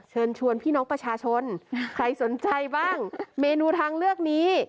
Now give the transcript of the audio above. เชิญชวนพี่น้องประชาชนใครสนใจบ้างเมนูทางเลือกนี้